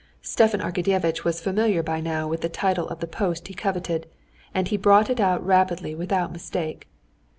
Stepan Arkadyevitch was familiar by now with the title of the post he coveted, and he brought it out rapidly without mistake.